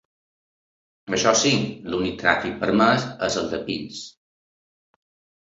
Això sí, l'únic tràfic permès és el de pins.